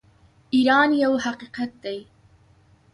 ایران یو حقیقت دی.